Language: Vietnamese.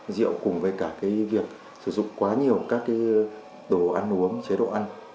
rượu cùng với cả việc sử dụng quá nhiều các đồ ăn uống chế độ ăn